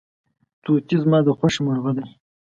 توتي زما د خوښې مرغه دی.